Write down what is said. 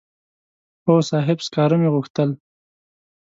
هو صاحب سکاره مې غوښتل.